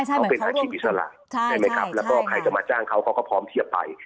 ต้องเป็นอาชีพอิสระใช่ไหมครับแล้วก็ใครจะมาจ้างเขาเขาก็พร้อมเทียบไป